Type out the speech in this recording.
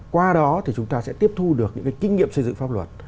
qua đó thì chúng ta sẽ tiếp thu được những cái kinh nghiệm xây dựng pháp luật